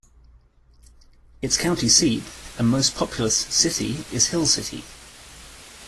Its county seat and most populous city is Hill City.